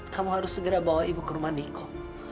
kamu harus segera bawa ibu ke rumah niko